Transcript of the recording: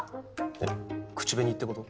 えっ口紅ってこと？